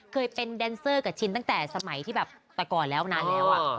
เคยเป็นแดนเซอร์กับชินตั้งแต่สมัยที่แบบแต่ก่อนแล้วนานแล้ว